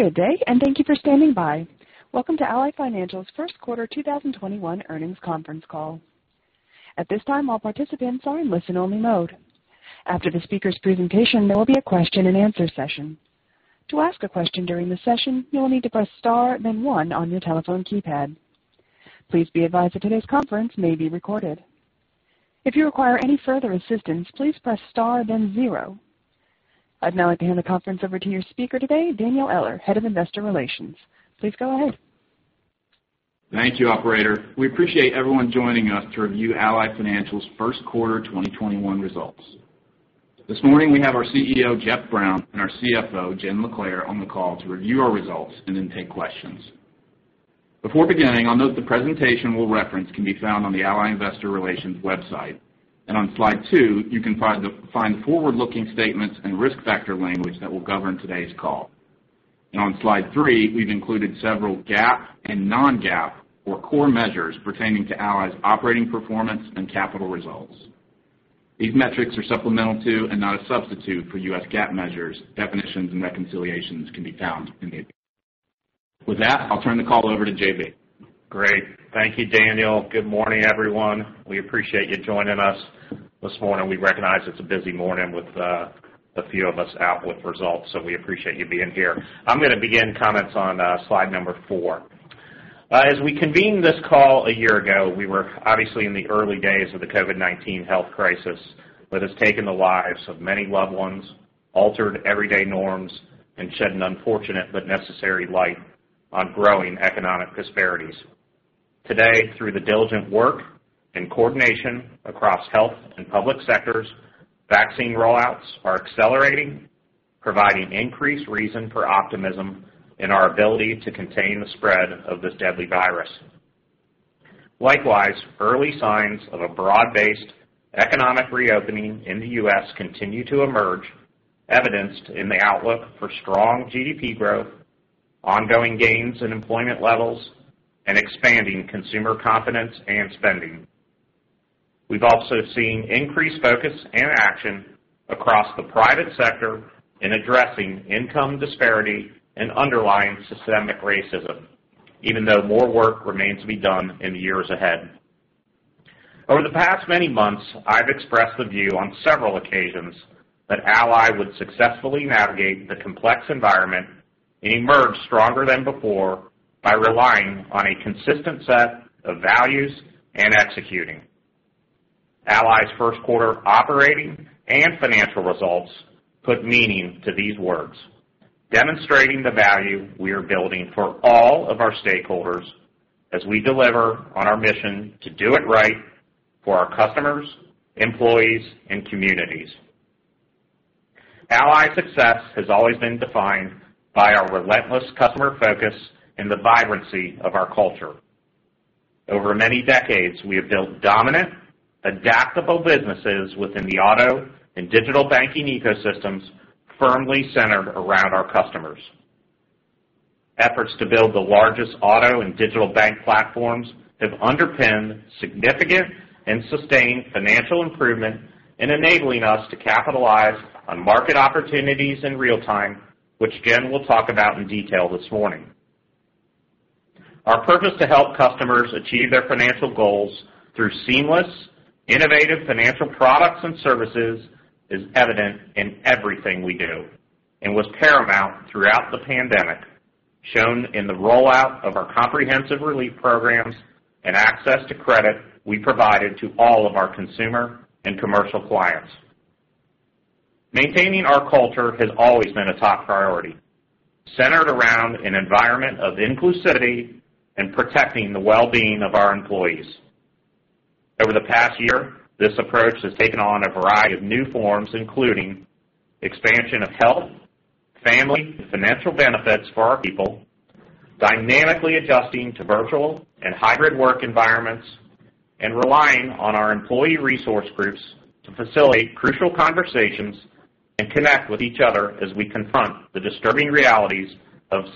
Good day, and thank you for standing by. Welcome to Ally Financial's first quarter 2021 earnings conference call. At this time, all participants are in listen-only mode. After the speaker's presentation, there will be a question-and-answer session. To ask a question during the session, you will need to press star then one on your telephone keypad. Please be advised that today's conference may be recorded. If you require any further assistance, please press star then zero. I'd now like to hand the conference over to your speaker today, Daniel Eller, Head of Investor Relations. Please go ahead. Thank you, operator. We appreciate everyone joining us to review Ally Financial's first quarter 2021 results. This morning, we have our CEO, Jeff Brown, and our CFO, Jenn LaClair, on the call to review our results and then take questions. Before beginning, I'll note the presentation we'll reference can be found on the Ally investor relations website. On slide two, you can find forward-looking statements and risk factor language that will govern today's call. On slide three, we've included several GAAP and non-GAAP or core measures pertaining to Ally's operating performance and capital results. These metrics are supplemental to and not a substitute for U.S. GAAP measures. Definitions and reconciliations can be found in the appendix. With that, I'll turn the call over to JB. Great. Thank you, Daniel. Good morning, everyone. We appreciate you joining us this morning. We recognize it's a busy morning with a few of us out with results, so we appreciate you being here. I'm going to begin comments on slide number four. As we convened this call a year ago, we were obviously in the early days of the COVID-19 health crisis that has taken the lives of many loved ones, altered everyday norms, and shed an unfortunate but necessary light on growing economic disparities. Today, through the diligent work and coordination across health and public sectors, vaccine rollouts are accelerating, providing increased reason for optimism in our ability to contain the spread of this deadly virus. Likewise, early signs of a broad-based economic reopening in the U.S. continue to emerge, evidenced in the outlook for strong GDP growth, ongoing gains in employment levels, and expanding consumer confidence and spending. We've also seen increased focus and action across the private sector in addressing income disparity and underlying systemic racism, even though more work remains to be done in the years ahead. Over the past many months, I've expressed the view on several occasions that Ally would successfully navigate the complex environment and emerge stronger than before by relying on a consistent set of values and executing. Ally's first quarter operating and financial results put meaning to these words, demonstrating the value we are building for all of our stakeholders as we deliver on our mission to do it right for our customers, employees, and communities. Ally's success has always been defined by our relentless customer focus and the vibrancy of our culture. Over many decades, we have built dominant, adaptable businesses within the auto and digital banking ecosystems, firmly centered around our customers. Efforts to build the largest auto and digital bank platforms have underpinned significant and sustained financial improvement in enabling us to capitalize on market opportunities in real time, which Jenn will talk about in detail this morning. Our purpose to help customers achieve their financial goals through seamless, innovative financial products and services is evident in everything we do and was paramount throughout the pandemic, shown in the rollout of our comprehensive relief programs and access to credit we provided to all of our consumer and commercial clients. Maintaining our culture has always been a top priority, centered around an environment of inclusivity and protecting the well-being of our employees. Over the past year, this approach has taken on a variety of new forms, including expansion of health, family, and financial benefits for our people, dynamically adjusting to virtual and hybrid work environments, and relying on our employee resource groups to facilitate crucial conversations and connect with each other as we confront the disturbing realities of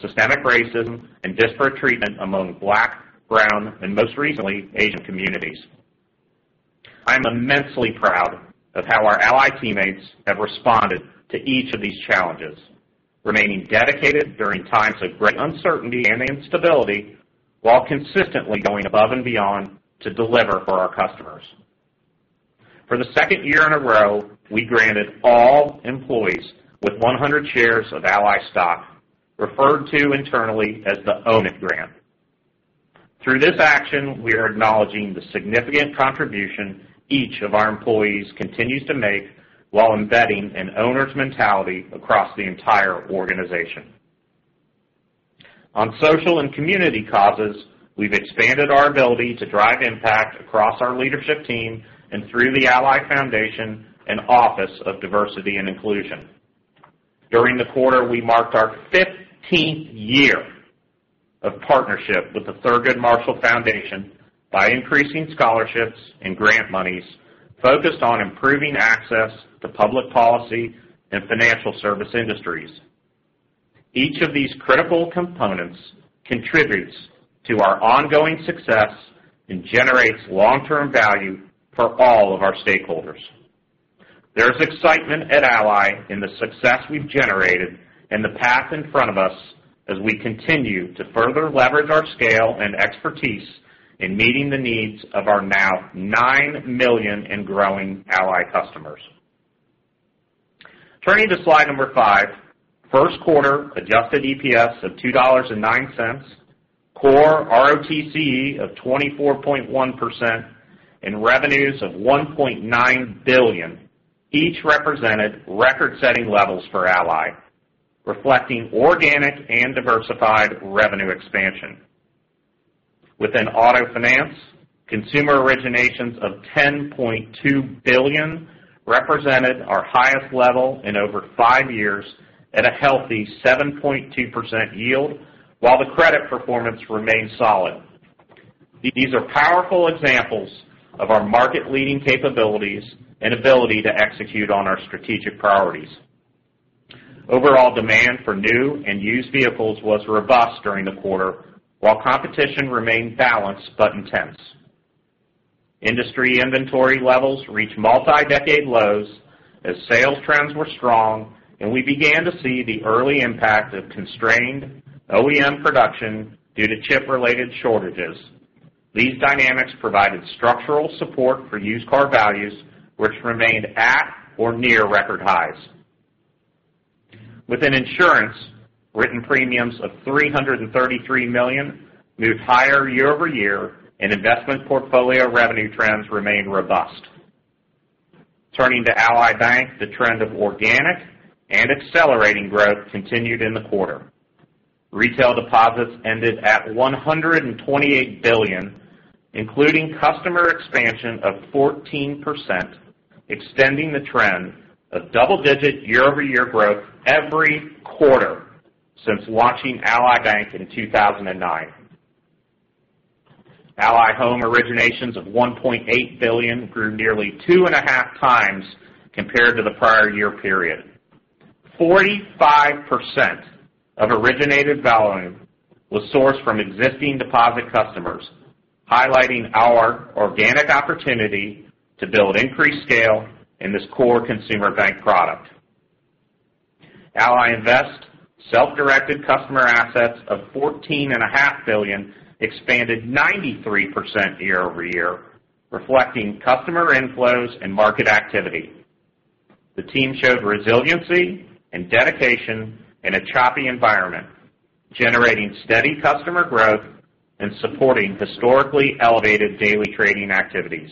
systemic racism and disparate treatment among Black, brown, and most recently, Asian communities. I'm immensely proud of how our Ally teammates have responded to each of these challenges, remaining dedicated during times of great uncertainty and instability while consistently going above and beyond to deliver for our customers. For the second year in a row, we granted all employees with 100 shares of Ally stock, referred to internally as the Own It Grant. Through this action, we are acknowledging the significant contribution each of our employees continues to make while embedding an owner's mentality across the entire organization. On social and community causes, we've expanded our ability to drive impact across our leadership team and through the Ally Foundation and Office of Diversity and Inclusion. During the quarter, we marked our 15th year of partnership with the Thurgood Marshall College Fund by increasing scholarships and grant monies focused on improving access to public policy and financial service industries. Each of these critical components contributes to our ongoing success and generates long-term value for all of our stakeholders. There's excitement at Ally in the success we've generated and the path in front of us as we continue to further leverage our scale and expertise in meeting the needs of our now 9 million and growing Ally customers. Turning to slide number five, first quarter adjusted EPS of $2.09, core ROTCE of 24.1%, and revenues of $1.9 billion, each represented record-setting levels for Ally, reflecting organic and diversified revenue expansion. Within auto finance, consumer originations of $10.2 billion represented our highest level in over five years at a healthy 7.2% yield, while the credit performance remained solid. These are powerful examples of our market-leading capabilities and ability to execute on our strategic priorities. Overall demand for new and used vehicles was robust during the quarter, while competition remained balanced but intense. Industry inventory levels reached multi-decade lows as sales trends were strong, and we began to see the early impact of constrained OEM production due to chip-related shortages. These dynamics provided structural support for used car values, which remained at or near record highs. Within insurance, written premiums of $333 million moved higher year-over-year, and investment portfolio revenue trends remained robust. Turning to Ally Bank, the trend of organic and accelerating growth continued in the quarter. Retail deposits ended at $128 billion, including customer expansion of 14%, extending the trend of double-digit year-over-year growth every quarter since launching Ally Bank in 2009. Ally Home originations of $1.8 billion grew nearly two and a half times compared to the prior year period. 45% of originated volume was sourced from existing deposit customers, highlighting our organic opportunity to build increased scale in this core consumer bank product. Ally Invest's self-directed customer assets of $14.5 billion expanded 93% year-over-year, reflecting customer inflows and market activity. The team showed resiliency and dedication in a choppy environment, generating steady customer growth and supporting historically elevated daily trading activities.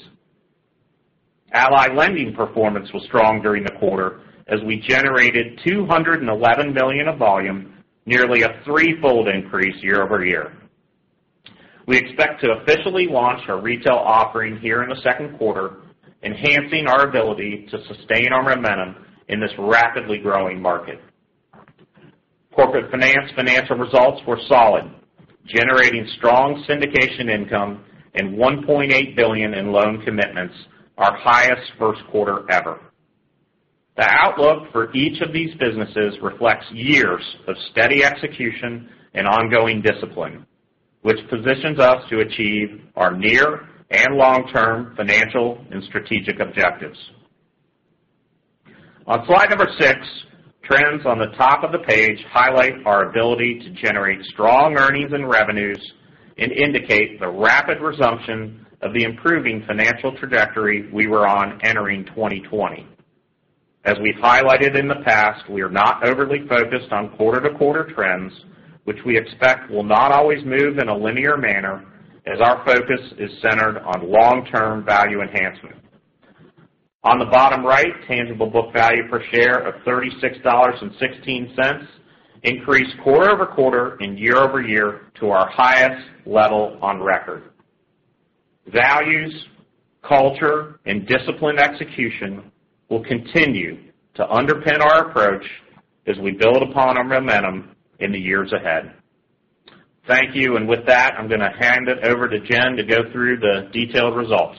Ally Lending performance was strong during the quarter as we generated $211 million of volume, nearly a threefold increase year-over-year. We expect to officially launch our retail offering here in the second quarter, enhancing our ability to sustain our momentum in this rapidly growing market. Corporate Finance financial results were solid, generating strong syndication income and $1.8 billion in loan commitments, our highest first quarter ever. The outlook for each of these businesses reflects years of steady execution and ongoing discipline, which positions us to achieve our near and long-term financial and strategic objectives. On slide number six, trends on the top of the page highlight our ability to generate strong earnings and revenues and indicate the rapid resumption of the improving financial trajectory we were on entering 2020. As we've highlighted in the past, we are not overly focused on quarter-to-quarter trends, which we expect will not always move in a linear manner, as our focus is centered on long-term value enhancement. On the bottom right, tangible book value per share of $36.16 increased quarter-over-quarter and year-over-year to our highest level on record. Values, culture, and disciplined execution will continue to underpin our approach as we build upon our momentum in the years ahead. Thank you. With that, I'm going to hand it over to Jenn to go through the detailed results.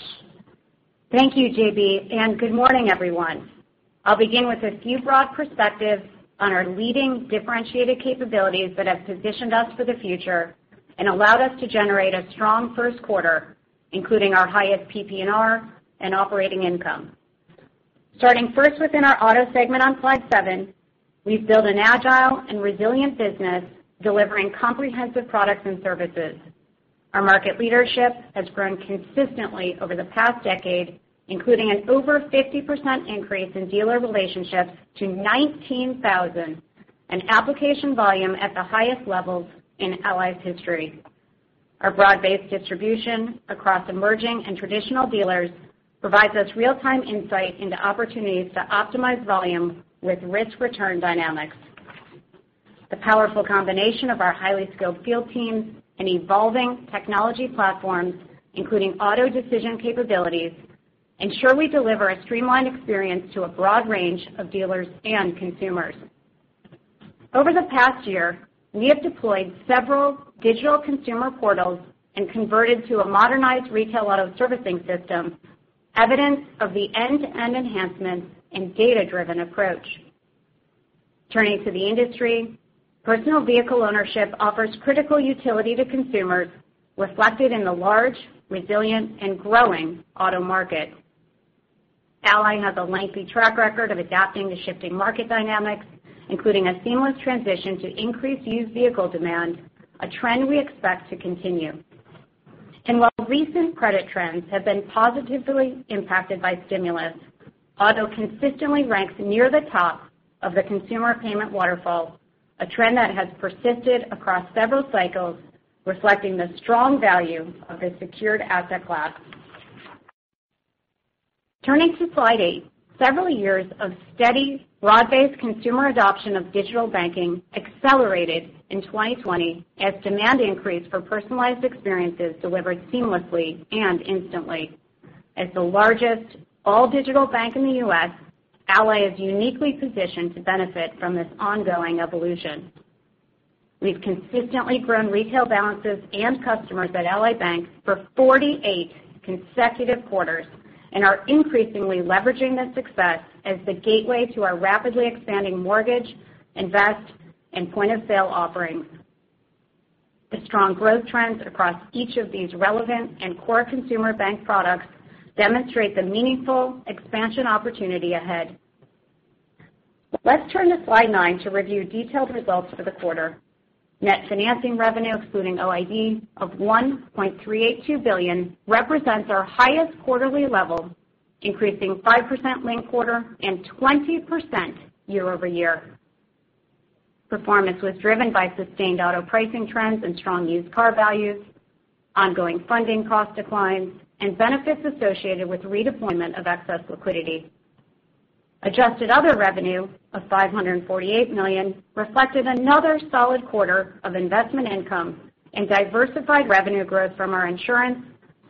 Thank you, JB, and good morning, everyone. I'll begin with a few broad perspectives on our leading differentiated capabilities that have positioned us for the future and allowed us to generate a strong first quarter, including our highest PPNR and operating income. Starting first within our auto segment on slide seven, we've built an agile and resilient business delivering comprehensive products and services. Our market leadership has grown consistently over the past decade, including an over 50% increase in dealer relationships to 19,000 and application volume at the highest levels in Ally's history. Our broad-based distribution across emerging and traditional dealers provides us real-time insight into opportunities to optimize volume with risk-return dynamics. The powerful combination of our highly skilled field teams and evolving technology platforms, including auto decision capabilities, ensure we deliver a streamlined experience to a broad range of dealers and consumers. Over the past year, we have deployed several digital consumer portals and converted to a modernized retail auto servicing system, evidence of the end-to-end enhancements and data-driven approach. Turning to the industry, personal vehicle ownership offers critical utility to consumers, reflected in the large, resilient, and growing auto market. Ally has a lengthy track record of adapting to shifting market dynamics, including a seamless transition to increased used vehicle demand, a trend we expect to continue. While recent credit trends have been positively impacted by stimulus, auto consistently ranks near the top of the consumer payment waterfall, a trend that has persisted across several cycles, reflecting the strong value of a secured asset class. Turning to slide eight. Several years of steady, broad-based consumer adoption of digital banking accelerated in 2020 as demand increased for personalized experiences delivered seamlessly and instantly. As the largest all-digital bank in the U.S., Ally is uniquely positioned to benefit from this ongoing evolution. We've consistently grown retail balances and customers at Ally Bank for 48 consecutive quarters and are increasingly leveraging this success as the gateway to our rapidly expanding mortgage, invest, and point-of-sale offerings. The strong growth trends across each of these relevant and core consumer bank products demonstrate the meaningful expansion opportunity ahead. Let's turn to slide nine to review detailed results for the quarter. Net financing revenue, excluding OID, of $1.382 billion, represents our highest quarterly level, increasing 5% linked quarter and 20% year-over-year. Performance was driven by sustained auto pricing trends and strong used car values, ongoing funding cost declines, and benefits associated with redeployment of excess liquidity. Adjusted other revenue of $548 million reflected another solid quarter of investment income and diversified revenue growth from our insurance,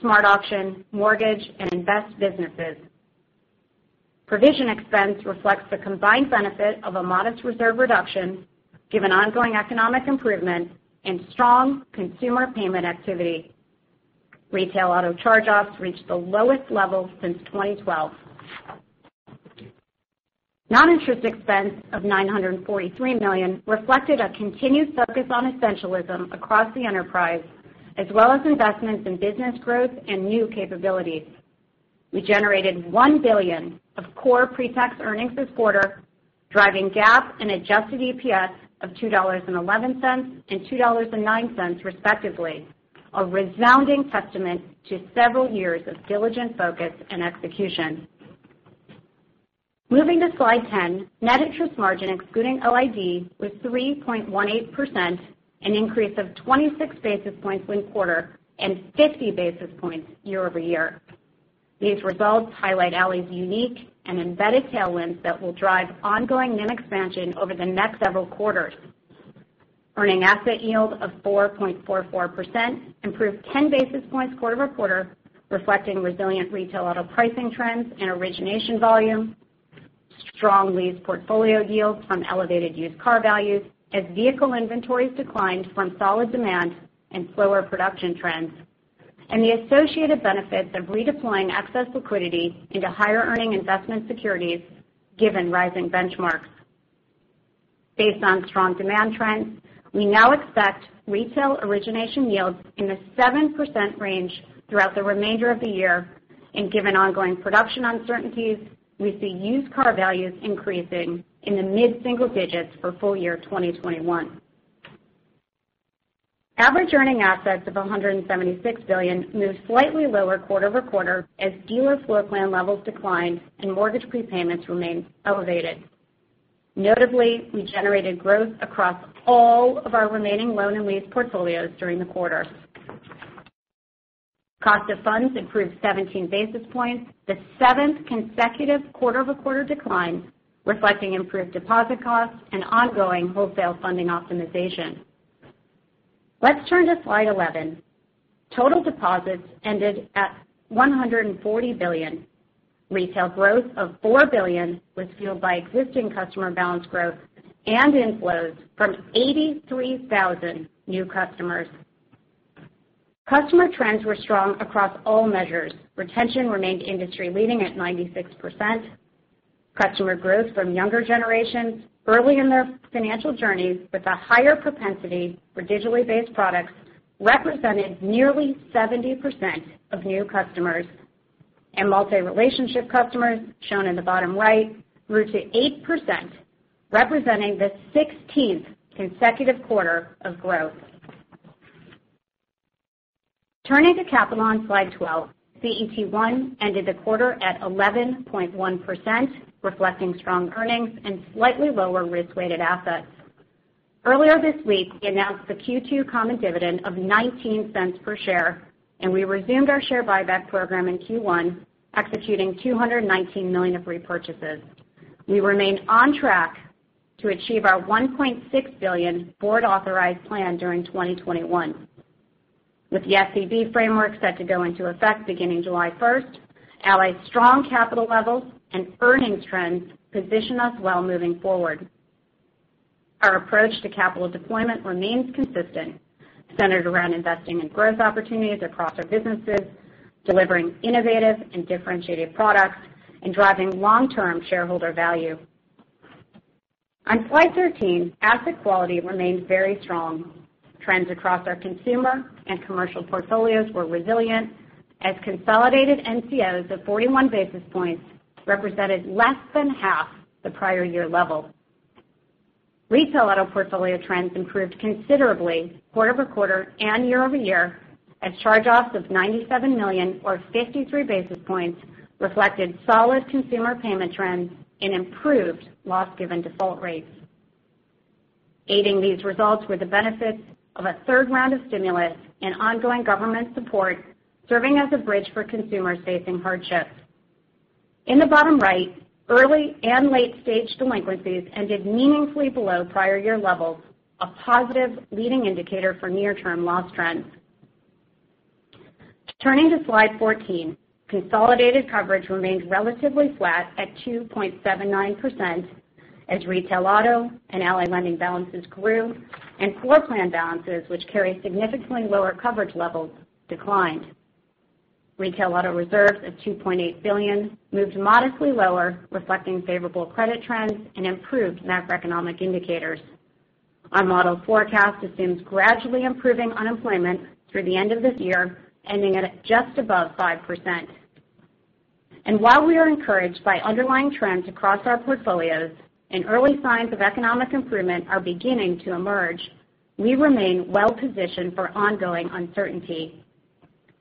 SmartAuction, mortgage, and invest businesses. Provision expense reflects the combined benefit of a modest reserve reduction, given ongoing economic improvement and strong consumer payment activity. Retail auto charge-offs reached the lowest level since 2012. Non-interest expense of $943 million reflected a continued focus on essentialism across the enterprise, as well as investments in business growth and new capabilities. We generated $1 billion of core pre-tax earnings this quarter, driving GAAP and adjusted EPS of $2.11 and $2.09 respectively, a resounding testament to several years of diligent focus and execution. Moving to slide 10. Net interest margin excluding OID was 3.18%, an increase of 26 basis points linked quarter and 50 basis points year-over-year. These results highlight Ally's unique and embedded tailwinds that will drive ongoing NIM expansion over the next several quarters. Earning asset yield of 4.44% improved 10 basis points quarter-over-quarter, reflecting resilient retail auto pricing trends and origination volume, strong lease portfolio yields from elevated used car values as vehicle inventories declined from solid demand and slower production trends, and the associated benefits of redeploying excess liquidity into higher-earning investment securities given rising benchmarks. Based on strong demand trends, we now expect retail origination yields in the 7% range throughout the remainder of the year, and given ongoing production uncertainties, we see used car values increasing in the mid-single digits for full year 2021. Average earning assets of $176 billion moved slightly lower quarter-over-quarter as dealer floorplan levels declined and mortgage prepayments remained elevated. Notably, we generated growth across all of our remaining loan and lease portfolios during the quarter. Cost of funds improved 17 basis points, the seventh consecutive quarter-over-quarter decline, reflecting improved deposit costs and ongoing wholesale funding optimization. Let's turn to slide 11. Total deposits ended at $140 billion. Retail growth of $4 billion was fueled by existing customer balance growth and inflows from 83,000 new customers. Customer trends were strong across all measures. Retention remained industry-leading at 96%. Customer growth from younger generations early in their financial journeys with a higher propensity for digitally based products, represented nearly 70% of new customers. Multi-relationship customers, shown in the bottom right, grew to 8%, representing the 16th consecutive quarter of growth. Turning to capital on slide 12. CET1 ended the quarter at 11.1%, reflecting strong earnings and slightly lower risk-weighted assets. Earlier this week, we announced the Q2 common dividend of $0.19 per share, and we resumed our share buyback program in Q1, executing $219 million of repurchases. We remain on track to achieve our $1.6 billion board-authorized plan during 2021. With the SCB framework set to go into effect beginning July 1st, Ally's strong capital levels and earnings trends position us well moving forward. Our approach to capital deployment remains consistent, centered around investing in growth opportunities across our businesses, delivering innovative and differentiated products, and driving long-term shareholder value. On slide 13, asset quality remains very strong. Trends across our consumer and commercial portfolios were resilient, as consolidated NCOs of 41 basis points represented less than half the prior year level. Retail auto portfolio trends improved considerably quarter-over-quarter and year-over-year as charge-offs of $97 million, or 53 basis points, reflected solid consumer payment trends and improved loss-given default rates. Aiding these results were the benefits of a third round of stimulus and ongoing government support, serving as a bridge for consumers facing hardships. In the bottom right, early and late-stage delinquencies ended meaningfully below prior year levels, a positive leading indicator for near-term loss trends. Turning to slide 14, consolidated coverage remained relatively flat at 2.79% as retail auto and Ally Lending balances grew and floorplan balances, which carry significantly lower coverage levels, declined. Retail auto reserves of $2.8 billion moved modestly lower, reflecting favorable credit trends and improved macroeconomic indicators. Our model forecast assumes gradually improving unemployment through the end of this year, ending it at just above 5%. While we are encouraged by underlying trends across our portfolios, and early signs of economic improvement are beginning to emerge, we remain well-positioned for ongoing uncertainty.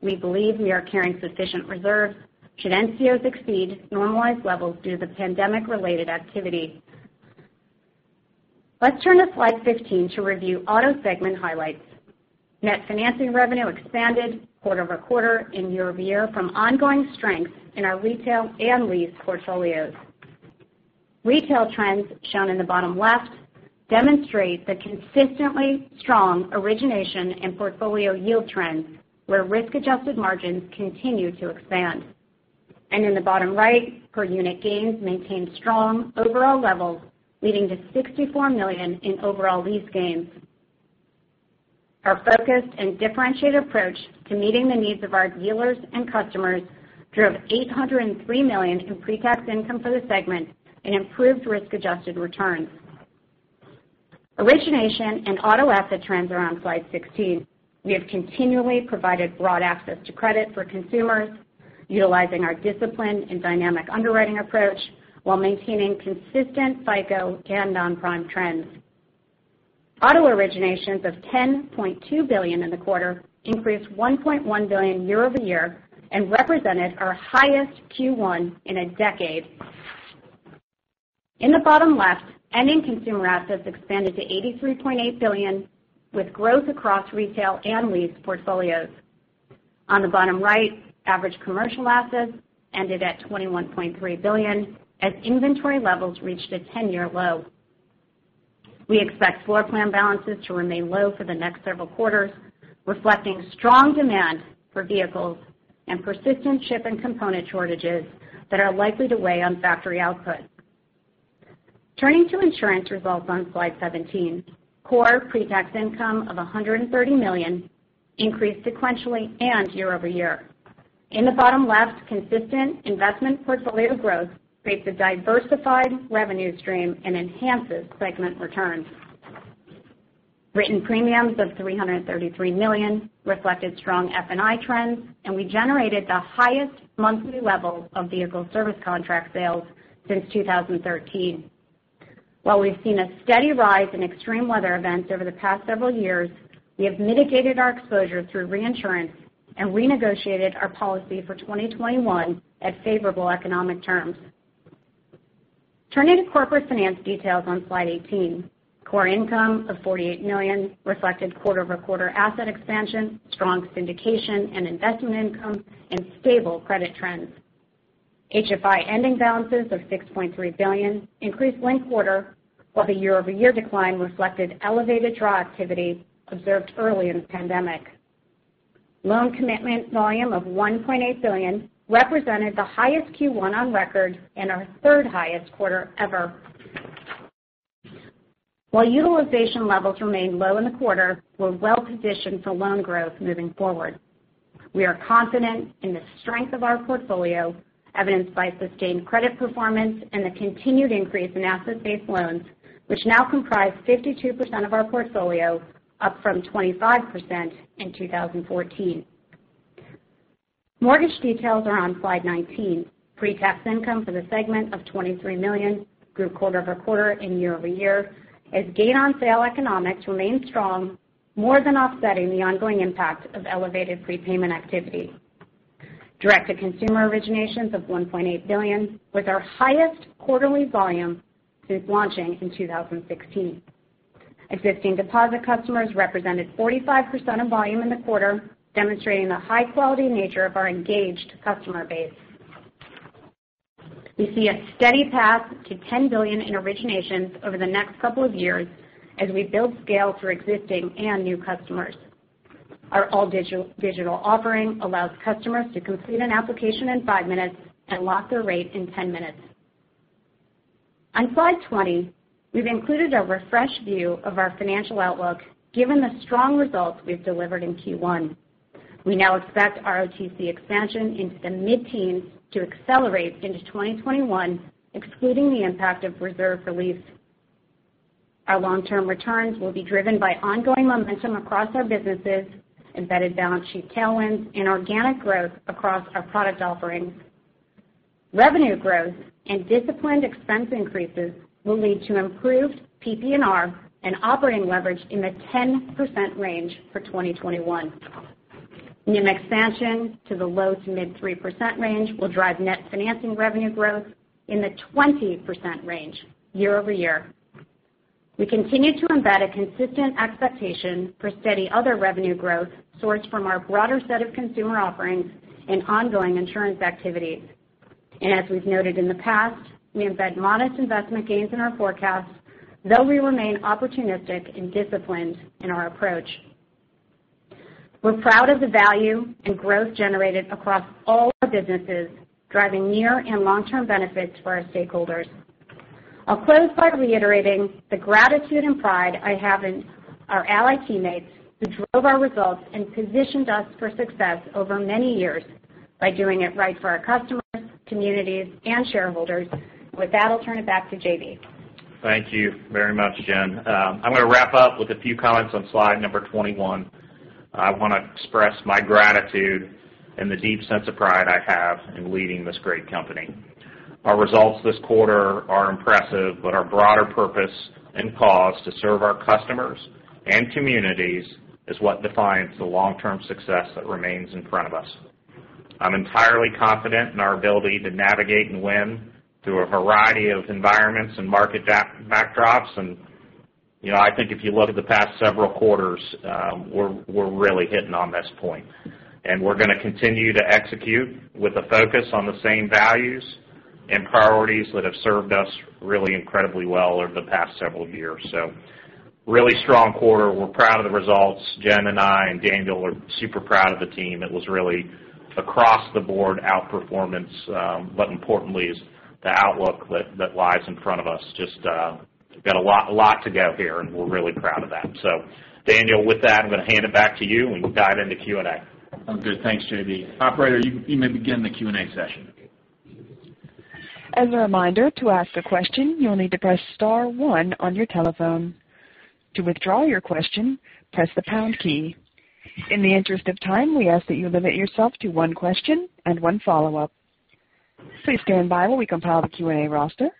We believe we are carrying sufficient reserves should NCOs exceed normalized levels due to pandemic-related activity. Let's turn to slide 15 to review auto segment highlights. Net financing revenue expanded quarter-over-quarter and year-over-year from ongoing strength in our retail and lease portfolios. Retail trends, shown in the bottom left, demonstrate the consistently strong origination and portfolio yield trends, where risk-adjusted margins continue to expand. In the bottom right, per-unit gains maintained strong overall levels, leading to $64 million in overall lease gains. Our focused and differentiated approach to meeting the needs of our dealers and customers drove $803 million in pre-tax income for the segment and improved risk-adjusted returns. Origination and auto asset trends are on slide 16. We have continually provided broad access to credit for consumers, utilizing our discipline and dynamic underwriting approach while maintaining consistent FICO and non-prime trends. Auto originations of $10.2 billion in the quarter increased $1.1 billion year-over-year and represented our highest Q1 in a decade. In the bottom left, ending consumer assets expanded to $83.8 billion, with growth across retail and lease portfolios. On the bottom right, average commercial assets ended at $21.3 billion as inventory levels reached a 10-year low. We expect floorplan balances to remain low for the next several quarters, reflecting strong demand for vehicles and persistent chip and component shortages that are likely to weigh on factory output. Turning to insurance results on slide 17. Core pre-tax income of $130 million increased sequentially and year-over-year. In the bottom left, consistent investment portfolio growth creates a diversified revenue stream and enhances segment returns. Written premiums of $333 million reflected strong F&I trends, and we generated the highest monthly level of vehicle service contract sales since 2013. While we've seen a steady rise in extreme weather events over the past several years, we have mitigated our exposure through reinsurance and renegotiated our policy for 2021 at favorable economic terms. Turning to corporate finance details on Slide 18. Core income of $48 million reflected quarter-over-quarter asset expansion, strong syndication and investment income, and stable credit trends. HFI ending balances of $6.3 billion increased linked quarter, while the year-over-year decline reflected elevated draw activity observed early in the pandemic. Loan commitment volume of $1.8 billion represented the highest Q1 on record and our third-highest quarter ever. While utilization levels remained low in the quarter, we're well-positioned for loan growth moving forward. We are confident in the strength of our portfolio, evidenced by sustained credit performance and the continued increase in asset-based loans, which now comprise 52% of our portfolio, up from 25% in 2014. Mortgage details are on slide 19. Pre-tax income for the segment of $23 million grew quarter-over-quarter and year-over-year as gain on sale economics remained strong, more than offsetting the ongoing impact of elevated prepayment activity. Direct-to-consumer originations of $1.8 billion was our highest quarterly volume since launching in 2016. Existing deposit customers represented 45% of volume in the quarter, demonstrating the high-quality nature of our engaged customer base. We see a steady path to $10 billion in originations over the next couple of years as we build scale through existing and new customers. Our all-digital offering allows customers to complete an application in five minutes and lock their rate in 10 minutes. On slide 20, we've included a refreshed view of our financial outlook, given the strong results we've delivered in Q1. We now expect ROTCE expansion into the mid-teens to accelerate into 2021, excluding the impact of reserve release. Our long-term returns will be driven by ongoing momentum across our businesses, embedded balance sheet tailwinds, and organic growth across our product offerings. Revenue growth and disciplined expense increases will lead to improved PPNR and operating leverage in the 10% range for 2021. NIM expansion to the low to mid 3% range will drive net financing revenue growth in the 20% range year-over-year. We continue to embed a consistent expectation for steady other revenue growth sourced from our broader set of consumer offerings and ongoing insurance activities. As we've noted in the past, we embed modest investment gains in our forecast, though we remain opportunistic and disciplined in our approach. We're proud of the value and growth generated across all our businesses, driving near and long-term benefits for our stakeholders. I'll close by reiterating the gratitude and pride I have in our Ally teammates who drove our results and positioned us for success over many years by doing it right for our customers, communities, and shareholders. With that, I'll turn it back to JB. Thank you very much, Jenn. I'm going to wrap up with a few comments on slide number 21. I want to express my gratitude and the deep sense of pride I have in leading this great company. Our results this quarter are impressive, but our broader purpose and cause to serve our customers and communities is what defines the long-term success that remains in front of us. I'm entirely confident in our ability to navigate and win through a variety of environments and market backdrops. I think if you look at the past several quarters, we're really hitting on this point. We're going to continue to execute with a focus on the same values and priorities that have served us really incredibly well over the past several years. Really strong quarter. We're proud of the results. Jenn and I, and Daniel are super proud of the team. It was really across-the-board outperformance. Importantly is the outlook that lies in front of us. Just got a lot to go here, and we're really proud of that. Daniel, with that, I'm going to hand it back to you, and we can dive into Q&A. Good. Thanks, JB. Operator, you may begin the Q&A session. As a reminder, to ask a question, you'll need to press star one on your telephone. To withdraw your question, press the pound key. In the interest of time, we ask that you limit yourself to one question and one follow-up. Please stand by while we compile the Q&A roster.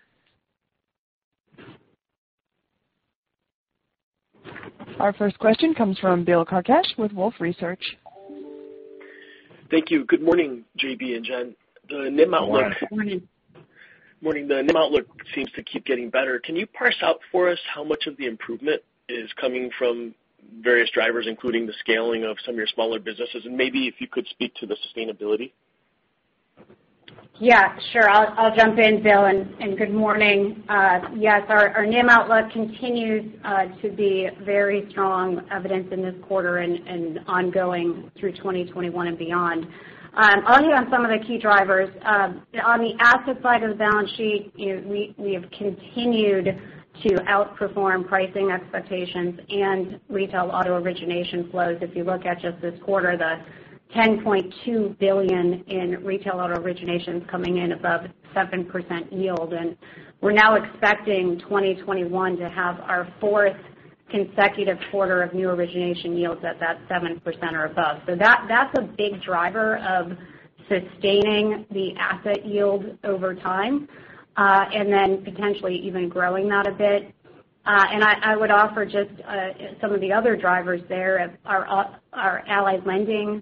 Our first question comes from Bill Carcache with Wolfe Research. Thank you. Good morning, JB and Jenn. Good morning. Morning. Morning. The NIM outlook seems to keep getting better. Can you parse out for us how much of the improvement is coming from various drivers, including the scaling of some of your smaller businesses? Maybe if you could speak to the sustainability? Yeah, sure. I'll jump in, Bill. Good morning. Yes, our NIM outlook continues to be very strong, evidenced in this quarter and ongoing through 2021 and beyond. Only on some of the key drivers. On the asset side of the balance sheet, we have continued to outperform pricing expectations and retail auto origination flows. If you look at just this quarter, the $10.2 billion in retail auto originations coming in above 7% yield. We're now expecting 2021 to have our fourth consecutive quarter of new origination yields at that 7% or above. That's a big driver of sustaining the asset yield over time, then potentially even growing that a bit. I would offer just some of the other drivers there. Our Ally Lending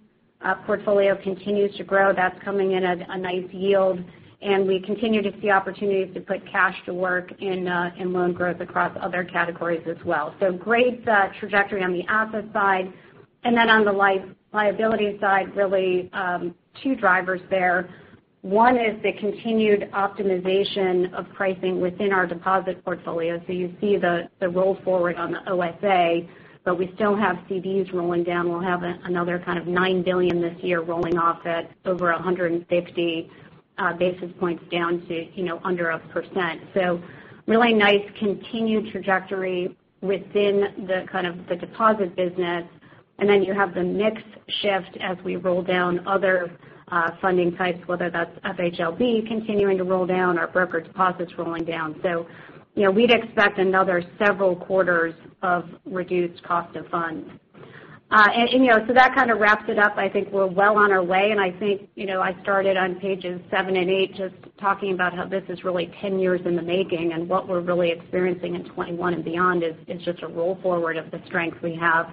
portfolio continues to grow. That's coming in at a nice yield. We continue to see opportunities to put cash to work in loan growth across other categories as well. Great trajectory on the asset side. Then on the liability side, really two drivers there. One is the continued optimization of pricing within our deposit portfolio. You see the roll forward on the OSA, but we still have CDs rolling down. We'll have another kind of $9 billion this year rolling off at over 150 basis points down to under 1%. Really nice continued trajectory within the deposit business. Then you have the mix shift as we roll down other funding types, whether that's FHLB continuing to roll down or broker deposits rolling down. We'd expect another several quarters of reduced cost of funds. That kind of wraps it up. I think we're well on our way, and I think I started on pages seven and eight just talking about how this is really 10 years in the making, and what we're really experiencing in 2021 and beyond is just a roll forward of the strength we have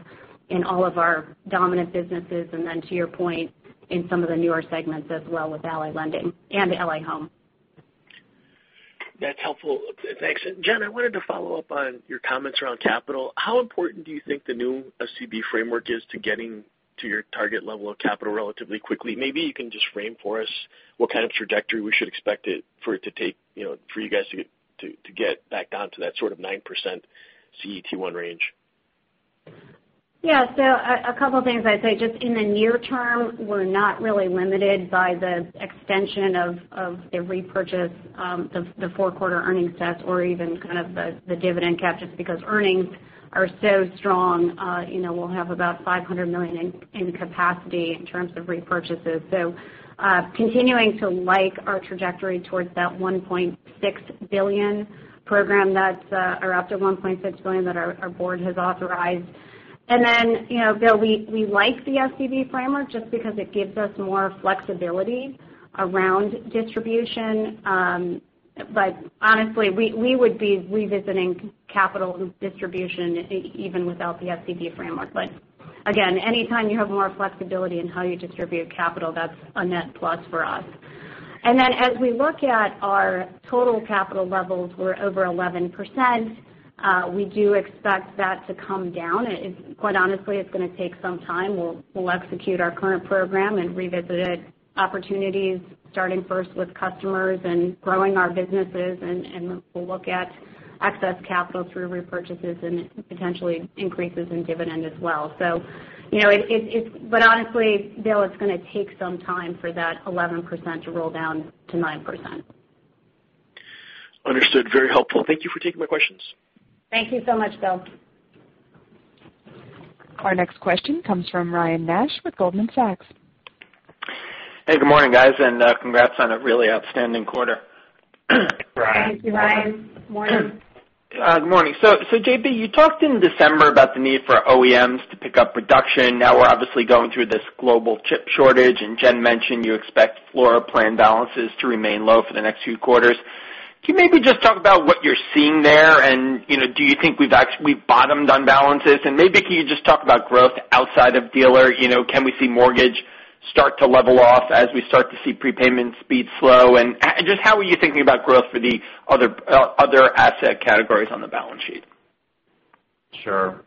in all of our dominant businesses, and then to your point, in some of the newer segments as well with Ally Lending and Ally Home. That's helpful. Thanks. Jenn, I wanted to follow up on your comments around capital. How important do you think the new SCB framework is to getting to your target level of capital relatively quickly? Maybe you can just frame for us what kind of trajectory we should expect for you guys to get back down to that sort of 9% CET1 range. Yeah. A couple things I'd say, just in the near term, we're not really limited by the extension of the repurchase, the four-quarter earnings test, or even kind of the dividend cap, just because earnings are so strong. We'll have about $500 million in capacity in terms of repurchases. Continuing to like our trajectory towards that $1.6 billion program or up to $1.6 billion that our board has authorized. Bill, we like the SCB framework just because it gives us more flexibility around distribution. Honestly, we would be revisiting capital distribution even without the SCB framework. Again, anytime you have more flexibility in how you distribute capital, that's a net plus for us. As we look at our total capital levels, we're over 11%. We do expect that to come down. Quite honestly, it's going to take some time. We'll execute our current program and revisit opportunities, starting first with customers and growing our businesses. We'll look at excess capital through repurchases and potentially increases in dividend as well. Honestly, Bill, it's going to take some time for that 11% to roll down to 9%. Understood. Very helpful. Thank you for taking my questions. Thank you so much, Bill. Our next question comes from Ryan Nash with Goldman Sachs. Hey, good morning, guys, and congrats on a really outstanding quarter. Thank you, Ryan. Good morning. Good morning. JB, you talked in December about the need for OEMs to pick up production. We're obviously going through this global chip shortage, and Jenn mentioned you expect floor plan balances to remain low for the next few quarters. Can you maybe just talk about what you're seeing there, and do you think we've bottomed on balances? Maybe can you just talk about growth outside of dealer? Can we see mortgage start to level off as we start to see prepayment speed slow? Just how are you thinking about growth for the other asset categories on the balance sheet? Sure.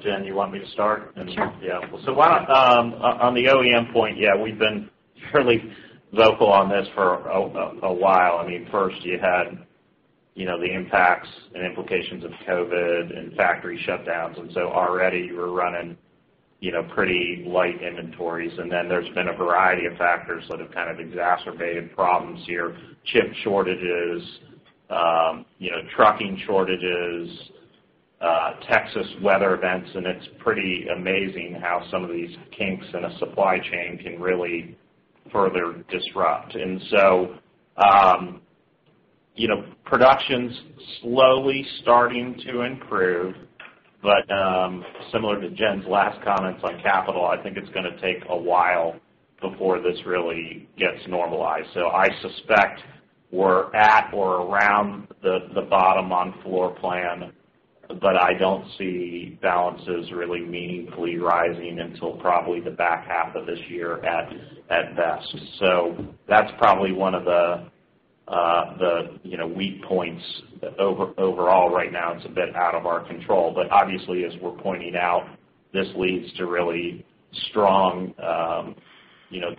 Jenn, you want me to start? Sure. On the OEM point, we've been fairly vocal on this for a while. First, you had the impacts and implications of COVID and factory shutdowns, already you were running pretty light inventories. There's been a variety of factors that have kind of exacerbated problems here, chip shortages, trucking shortages, Texas weather events, it's pretty amazing how some of these kinks in a supply chain can really further disrupt. Production's slowly starting to improve, similar to Jenn's last comments on capital, I think it's going to take a while before this really gets normalized. I suspect we're at or around the bottom on floor plan. I don't see balances really meaningfully rising until probably the back half of this year at best. That's probably one of the weak points overall right now. It's a bit out of our control. Obviously, as we're pointing out, this leads to really strong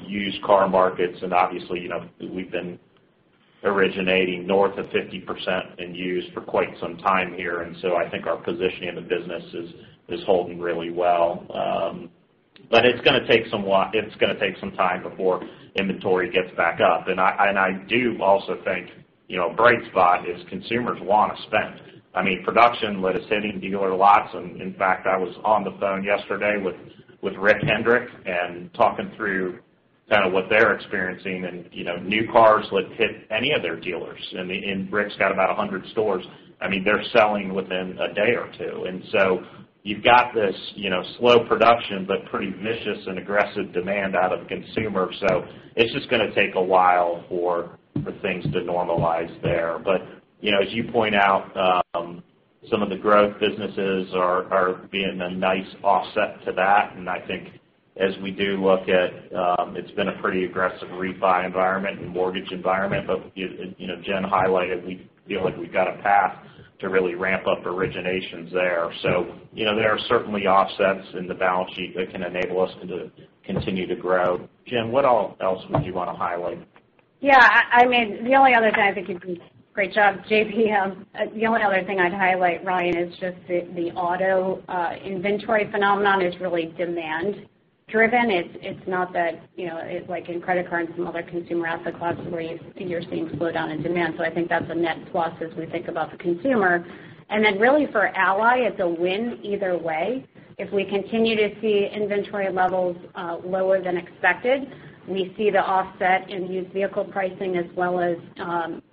used car markets, and obviously, we've been originating north of 50% in used for quite some time here. I think our position in the business is holding really well. It's going to take some time before inventory gets back up. I do also think a bright spot is consumers want to spend. Production, that is hitting dealer lots. In fact, I was on the phone yesterday with Rick Hendrick and talking through kind of what they're experiencing. New cars hit any of their dealers. Rick's got about 100 stores. They're selling within a day or two. You've got this slow production, pretty vicious and aggressive demand out of the consumer. It's just going to take a while for things to normalize there. As you point out, some of the growth businesses are being a nice offset to that. I think as we do look at it's been a pretty aggressive refi environment and mortgage environment. Jenn highlighted, we feel like we've got a path to really ramp up originations there. There are certainly offsets in the balance sheet that can enable us to continue to grow. Jenn, what all else would you want to highlight? Yeah. Great job, JB. The only other thing I'd highlight, Ryan, is just the auto inventory phenomenon is really demand-driven. It's not that it's like in credit cards and other consumer asset classes, where you're seeing a slowdown in demand. I think that's a net plus as we think about the consumer. Really, for Ally, it's a win either way. If we continue to see inventory levels lower than expected, we see the offset in used vehicle pricing as well as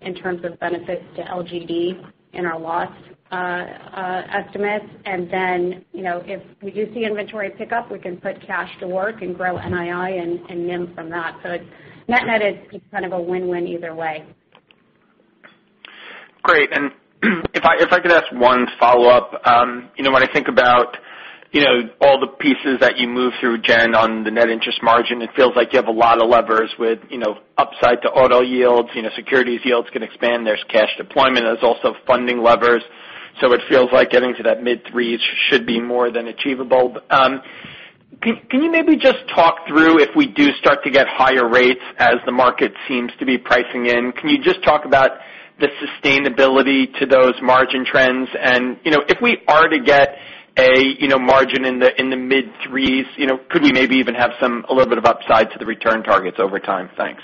in terms of benefits to LGD in our loss estimates. If we do see inventory pick up, we can put cash to work and grow NII and NIM from that. Net-net is kind of a win-win either way. Great. If I could ask one follow-up. When I think about all the pieces that you moved through, Jenn, on the net interest margin, it feels like you have a lot of levers with upside to auto yields. Securities yields can expand. There's cash deployment. There's also funding levers. It feels like getting to that mid-three should be more than achievable. Can you maybe just talk through if we do start to get higher rates as the market seems to be pricing in? Can you just talk about the sustainability to those margin trends? If we are to get a margin in the mid threes, could we maybe even have a little bit of upside to the return targets over time? Thanks.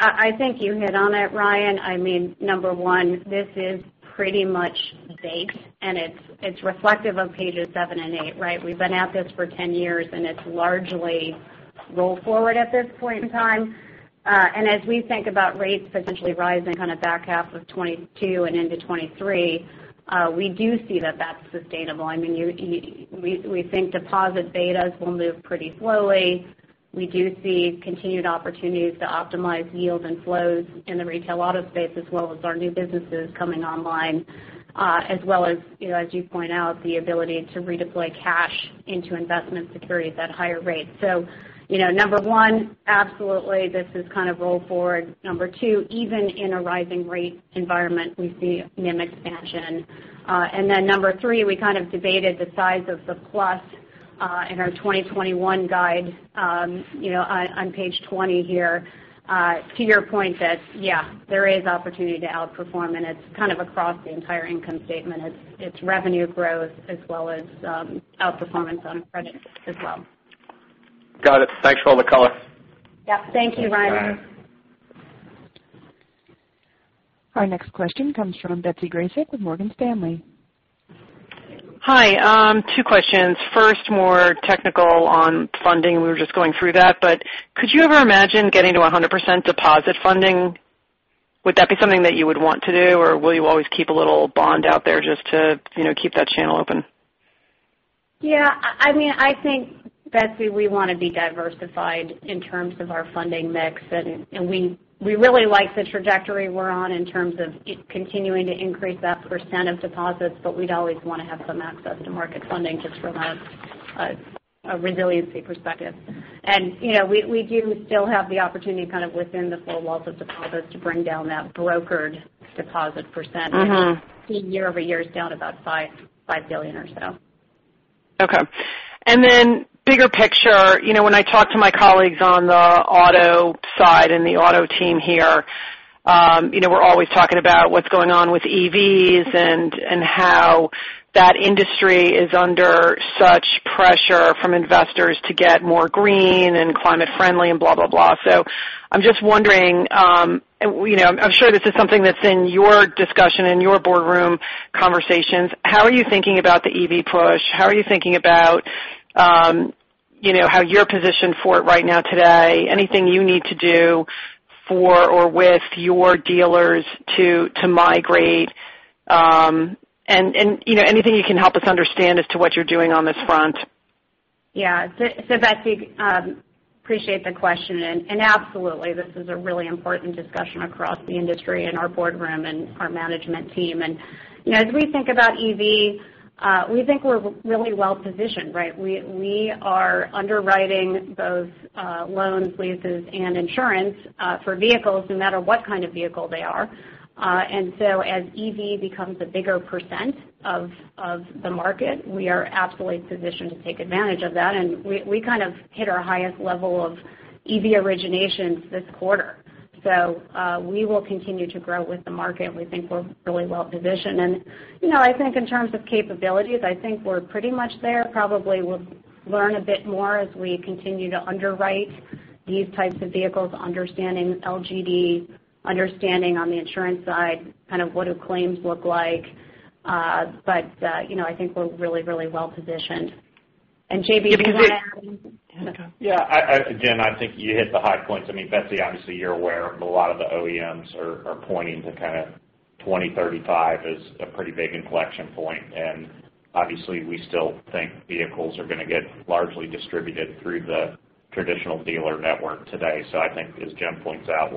I think you hit on it, Ryan. Number one, this is pretty much baked, and it's reflective of pages seven and eight, right? We've been at this for 10 years, and it's largely roll forward at this point in time. As we think about rates potentially rising kind of back half of 2022 and into 2023, we do see that that's sustainable. We think deposit betas will move pretty slowly. We do see continued opportunities to optimize yields and flows in the retail auto space as well as our new businesses coming online, as well as you point out, the ability to redeploy cash into investment securities at higher rates. Number one, absolutely, this is kind of roll forward. Number two, even in a rising rate environment, we see NIM expansion. Number three, we kind of debated the size of the plus in our 2021 guide on page 20 here. To your point that, yeah, there is an opportunity to outperform, and it's kind of across the entire income statement. It's revenue growth as well as outperformance on credit as well. Got it. Thanks for all the color. Yeah. Thank you, Ryan. Our next question comes from Betsy Graseck with Morgan Stanley. Hi. Two questions. First, more technical on funding. We were just going through that, but could you ever imagine getting to 100% deposit funding? Would that be something that you would want to do, or will you always keep a little bond out there just to keep that channel open? Yeah. I think, Betsy, we want to be diversified in terms of our funding mix, and we really like the trajectory we're on in terms of continuing to increase that percent of deposits, but we'd always want to have some access to market funding just from a resiliency perspective. We do still have the opportunity kind of within the four walls of deposits to bring down that brokered deposit percent. Year-over-year, it's down about $5 billion or so. Okay. Then bigger picture, when I talk to my colleagues on the auto side and the auto team here, we're always talking about what's going on with EVs and how that industry is under such pressure from investors to get more green and climate-friendly and blah, blah. I'm just wondering, I'm sure this is something that's in your discussion, in your boardroom conversations, how are you thinking about the EV push? How are you thinking about how you're positioned for it right now today? Anything you need to do for or with your dealers to migrate? Anything you can help us understand as to what you're doing on this front. Betsy, appreciate the question. Absolutely, this is a really important discussion across the industry and our boardroom and our management team. As we think about EV, we think we're really well-positioned, right? We are underwriting both loans, leases, and insurance for vehicles, no matter what kind of vehicle they are. As EV becomes a bigger % of the market, we are absolutely positioned to take advantage of that. We kind of hit our highest level of EV originations this quarter. We will continue to grow with the market. We think we're really well-positioned. I think in terms of capabilities, I think we're pretty much there. Probably we'll learn a bit more as we continue to underwrite these types of vehicles, understanding LGD, understanding on the insurance side kind of what do claims look like. I think we're really, really well-positioned. JB., Yeah, go. Yeah. Again, I think you hit the high points. Betsy, obviously, you're aware of a lot of the OEMs are pointing to kind of 2035 as a pretty big inflection point. Obviously, we still think vehicles are going to get largely distributed through the traditional dealer network today. I think as Jenn points out,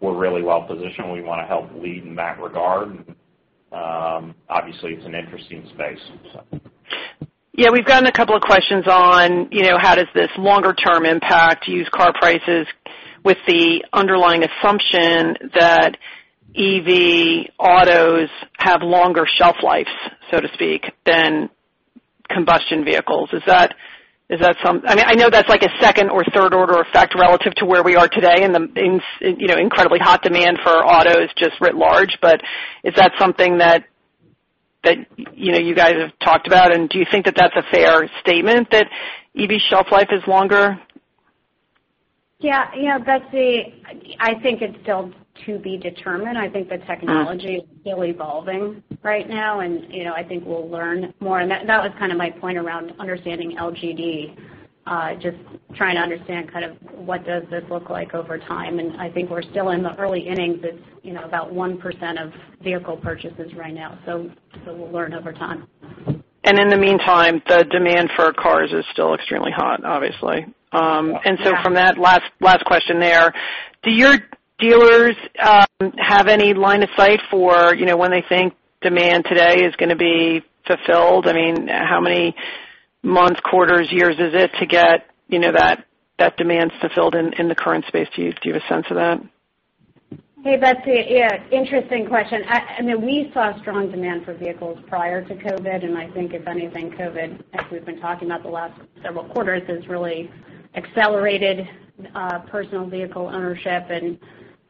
we're really well-positioned. We want to help lead in that regard. Obviously, it's an interesting space. Yeah, we've gotten a couple of questions on how does this longer-term impact used car prices with the underlying assumption that EV autos have longer shelf lives, so to speak, than combustion vehicles. I know that's like a second or third order effect relative to where we are today and the incredibly hot demand for autos just writ large. Is that something that you guys have talked about, and do you think that that's a fair statement that EV shelf life is longer? Betsy, I think it's still to be determined. I think the technology is still evolving right now. I think we'll learn more. That was kind of my point around understanding LGD. Just trying to understand kind of what does this look like over time. I think we're still in the early innings. It's about 1% of vehicle purchases right now. We'll learn over time. In the meantime, the demand for cars is still extremely hot, obviously. Yeah. From that last question there, do your dealers have any line of sight for when they think demand today is going to be fulfilled? How many months, quarters, years is it to get that demand fulfilled in the current space? Do you have a sense of that? Hey, Betsy. Interesting question. We saw strong demand for vehicles prior to COVID. I think if anything, COVID, as we've been talking about the last several quarters, has really accelerated personal vehicle ownership.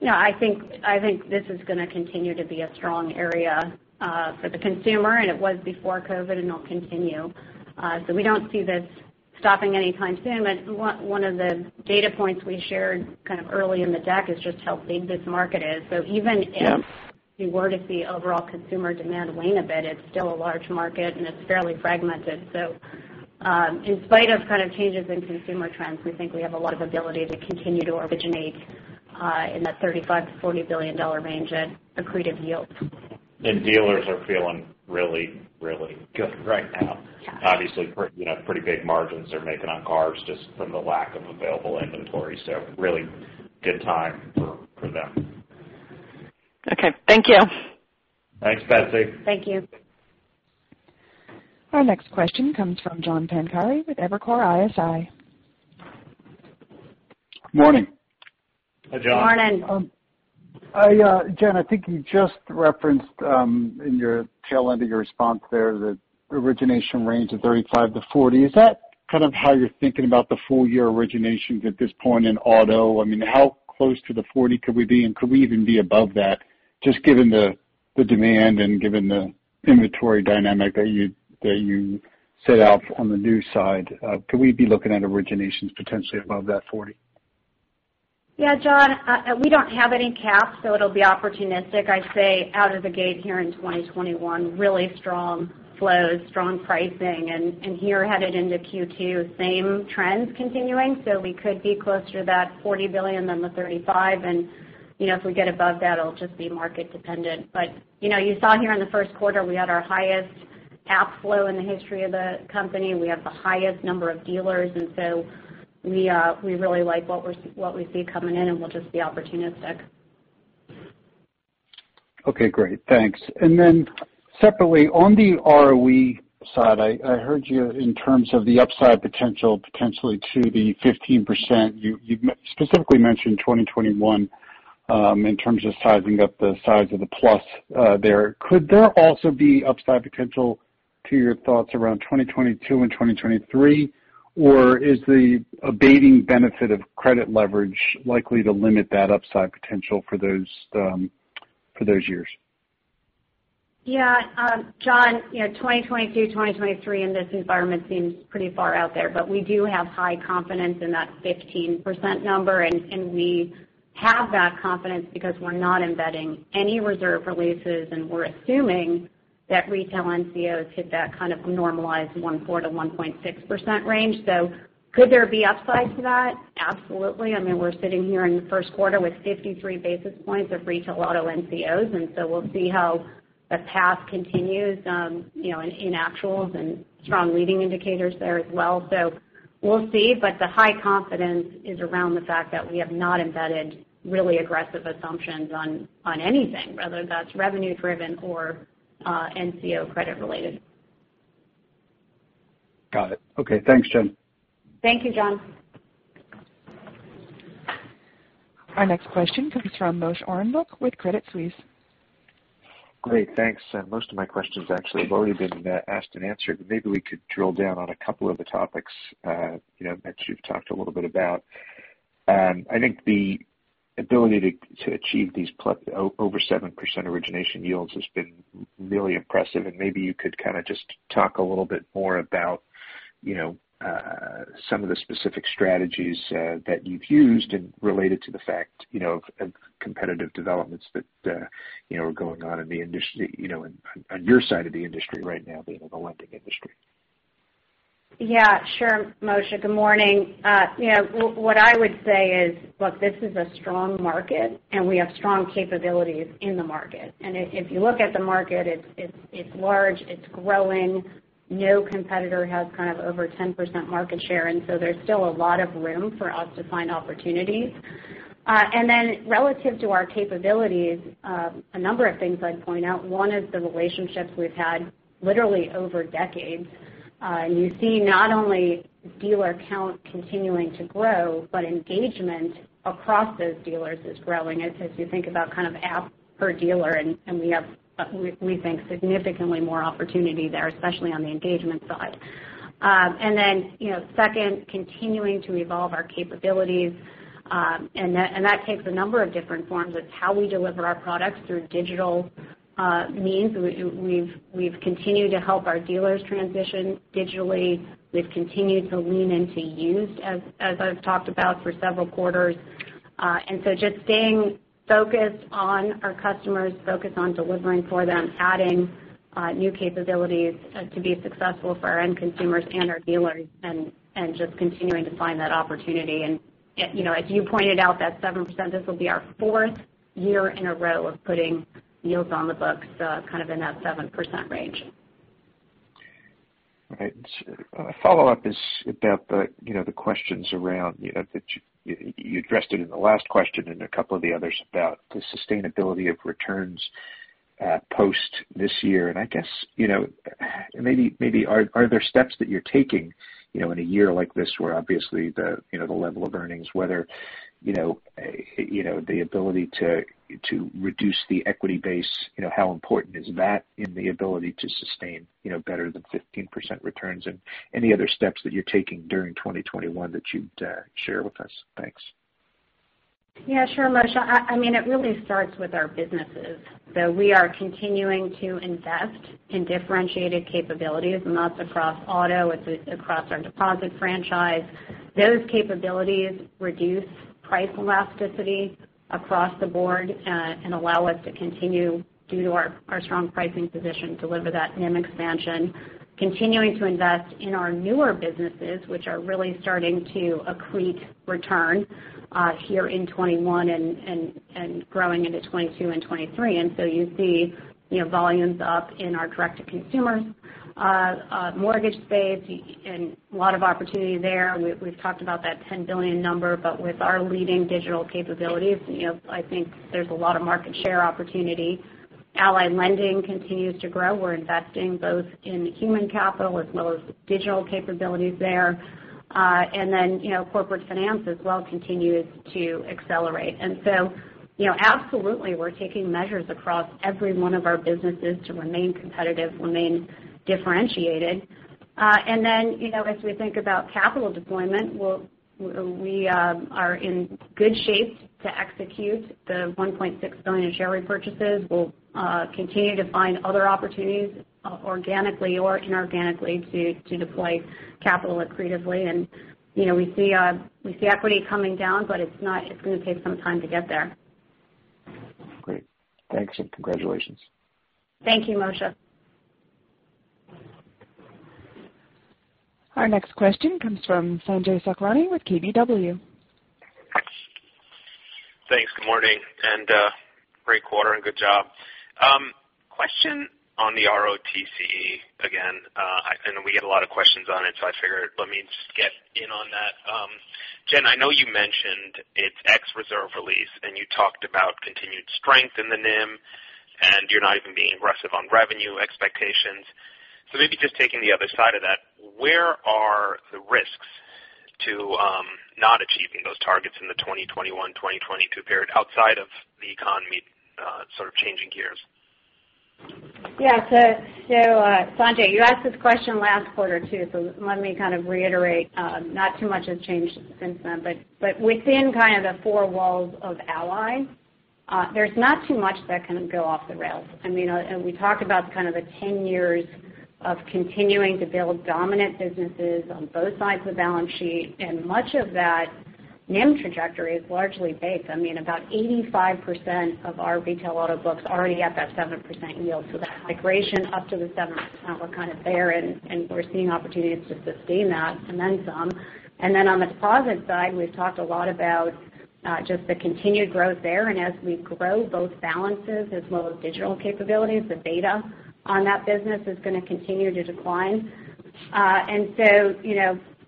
I think this is going to continue to be a strong area for the consumer, and it was before COVID, and it'll continue. We don't see this stopping anytime soon. One of the data points we shared early in the deck is just how big this market is. Yeah Even if we were to see overall consumer demand wane a bit, it's still a large market, and it's fairly fragmented. In spite of changes in consumer trends, we think we have a lot of ability to continue to originate in that $35 billion-$40 billion range at accretive yields. dealers are feeling really, really good right now. Yeah. Obviously, pretty big margins they're making on cars just from the lack of available inventory. Really good time for them. Thank you. Thanks, Betsy. Thank you. Our next question comes from John Pancari with Evercore ISI. Morning. Hi, John. Morning. Jenn, I think you just referenced in your tail end of your response there the origination range of $35 billion-$40 billion. Is that how you're thinking about the full-year originations at this point in auto? How close to the $40 billion could we be, and could we even be above that, just given the demand and given the inventory dynamic that you set out on the new side? Could we be looking at originations potentially above that $40 billion? Yeah, John, we don't have any caps, so it'll be opportunistic. I'd say out of the gate here in 2021, really strong flows, strong pricing, and here headed into Q2, same trends continuing. We could be closer to that $40 billion than the $35 billion, and if we get above that, it'll just be market dependent. You saw here in the first quarter, we had our highest app flow in the history of the company. We have the highest number of dealers. We really like what we see coming in, and we'll just be opportunistic. Okay, great. Thanks. Separately, on the ROE side, I heard you in terms of the upside potential potentially to the 15%. You specifically mentioned 2021 in terms of sizing up the size of the plus there. Could there also be upside potential to your thoughts around 2022 and 2023, or is the abating benefit of credit leverage likely to limit that upside potential for those years? John, 2022, 2023 in this environment seems pretty far out there, but we do have high confidence in that 15%, and we have that confidence because we're not embedding any reserve releases, and we're assuming that retail NCOs hit that kind of normalized 1.4%-1.6% range. Could there be upside to that? Absolutely. We're sitting here in the first quarter with 53 basis points of retail auto NCOs, and so we'll see how the path continues in actuals, and strong leading indicators there as well. We'll see, but the high confidence is around the fact that we have not embedded really aggressive assumptions on anything, whether that's revenue driven or NCO credit related. Got it. Okay, thanks, Jenn. Thank you, John. Our next question comes from Moshe Orenbuch with Credit Suisse. Great, thanks. Most of my questions actually have already been asked and answered, but maybe we could drill down on a couple of the topics that you've talked a little bit about. I think the ability to achieve these over 7% origination yields has been really impressive, and maybe you could kind of just talk a little bit more about some of the specific strategies that you've used and relate it to the fact of competitive developments that are going on in the industry, on your side of the industry right now, the lending industry. Yeah, sure, Moshe. Good morning. What I would say is, look, this is a strong market, and we have strong capabilities in the market. If you look at the market, it's large, it's growing. No competitor has over 10% market share, and so there's still a lot of room for us to find opportunities. Relative to our capabilities, a number of things I'd point out. One is the relationships we've had literally over decades. You see not only dealer count continuing to grow, but engagement across those dealers is growing as you think about app per dealer, and we have, we think, significantly more opportunity there, especially on the engagement side. Second, continuing to evolve our capabilities, and that takes a number of different forms. It's how we deliver our products through digital means. We've continued to help our dealers transition digitally. We've continued to lean into used, as I've talked about for several quarters. Just staying focused on our customers, focused on delivering for them, adding new capabilities to be successful for our end consumers and our dealers, and just continuing to find that opportunity. As you pointed out, that 7%, this will be our fourth year in a row of putting yields on the books in that 7% range. All right. A follow-up is about the questions around you addressed it in the last question and a couple of the others about the sustainability of returns post this year. I guess maybe are there steps that you're taking in a year like this where obviously the level of earnings, whether the ability to reduce the equity base, how important is that in the ability to sustain better than 15% returns? Any other steps that you're taking during 2021 that you'd share with us? Thanks. Yeah, sure, Moshe. It really starts with our businesses. We are continuing to invest in differentiated capabilities, and that's across auto, across our deposit franchise. Those capabilities reduce price elasticity across the board, and allow us to continue, due to our strong pricing position, deliver that NIM expansion. Continuing to invest in our newer businesses, which are really starting to accrete return here in 2021 and growing into 2022 and 2023. You see volumes up in our direct-to-consumer mortgage space, and a lot of opportunity there. We've talked about that $10 billion number, but with our leading digital capabilities, I think there's a lot of market share opportunity. Ally Lending continues to grow. We're investing both in human capital as well as digital capabilities there. Corporate finance as well continues to accelerate. Absolutely, we're taking measures across every one of our businesses to remain competitive, remain differentiated. As we think about capital deployment, we are in good shape to execute the $1.6 billion share repurchases. We'll continue to find other opportunities organically or inorganically to deploy capital accretively. We see equity coming down, but it's going to take some time to get there. Great. Thanks, and congratulations. Thank you, Moshe. Our next question comes from Sanjay Sakhrani with KBW. Thanks. Good morning, and great quarter, and good job. Question on the ROTCE again. I know we get a lot of questions on it, I figured let me just get in on that. Jenn, I know you mentioned it's ex reserve release, and you talked about continued strength in the NIM, and you're not even being aggressive on revenue expectations. Maybe just taking the other side of that, where are the risks to not achieving those targets in the 2021, 2022 period outside of the economy sort of changing gears? Yeah. Sanjay, you asked this question last quarter, too, so let me kind of reiterate. Not too much has changed since then. Within kind of the four walls of Ally, there's not too much that can go off the rails. We talk about kind of the 10 years of continuing to build dominant businesses on both sides of the balance sheet, and much of that NIM trajectory is largely baked. About 85% of our retail auto books are already at that 7% yield. That migration up to the 7%, we're kind of there, and we're seeing opportunities to sustain that and then some. On the deposit side, we've talked a lot about just the continued growth there. As we grow both balances as well as digital capabilities, the beta on that business is going to continue to decline.